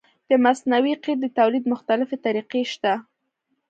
د مصنوعي قیر د تولید مختلفې طریقې شته